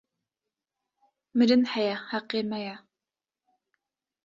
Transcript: Mirin heye heqê me ye